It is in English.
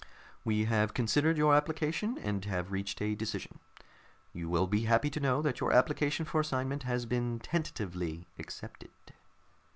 "We have considered your application, and have reached a decision. You will be happy to know that your application for assignment has been tentatively accepted."